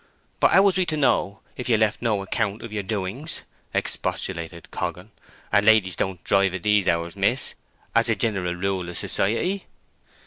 "But how was we to know, if you left no account of your doings?" expostulated Coggan, "and ladies don't drive at these hours, miss, as a jineral rule of society."